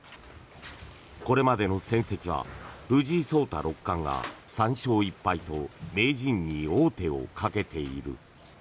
これまでの戦績は藤井聡太六冠が３勝１敗と名人に王手をかけている。